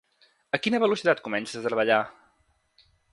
A quina velocitat comences a treballar?